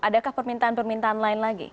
adakah permintaan permintaan lain lagi